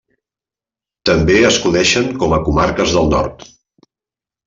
També es coneixen com a Comarques del Nord.